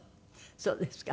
そうですか。